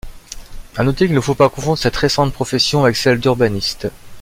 À noter qu'il ne faut pas confondre cette récente profession avec celle d'urbaniste.